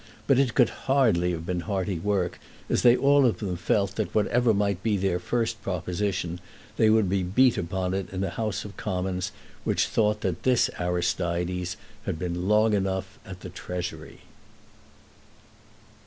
But it could hardly have been hearty work, as they all of them felt that whatever might be their first proposition they would be beat upon it in a House of Commons which thought that this Aristides had been long enough at the Treasury.